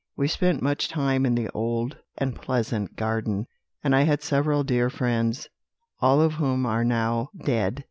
We spent much time in the old and pleasant garden; and I had several dear friends, all of whom are now dead.